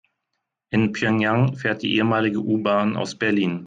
In Pjöngjang fährt die ehemalige U-Bahn aus Berlin.